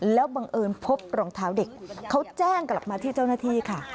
แล้วบังเอิญพบรองเท้าเด็กเขาแจ้งกลับมาที่เจ้าหน้าที่ค่ะ